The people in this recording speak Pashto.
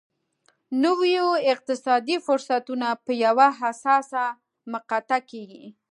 نویو اقتصادي فرصتونو په یوه حساسه مقطعه کې.